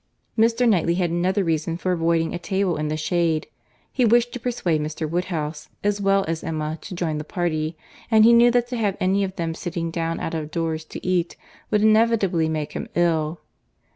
Mr. Knightley had another reason for avoiding a table in the shade. He wished to persuade Mr. Woodhouse, as well as Emma, to join the party; and he knew that to have any of them sitting down out of doors to eat would inevitably make him ill.